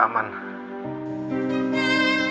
kamu udah aman